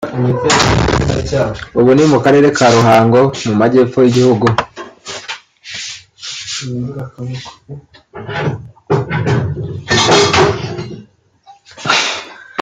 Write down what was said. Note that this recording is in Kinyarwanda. ubu ni mu karere ka Ruhango mu majyepfo y’Igihugu